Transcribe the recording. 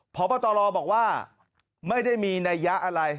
พบตรบอกว่าไม่ได้มีนัยยะอะไร